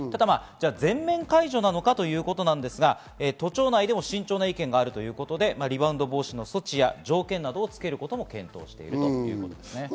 全面解除なのかということですが、都庁内でも慎重な意見があるということでリバウンド防止の措置や条件などをつけることも検討しているということです。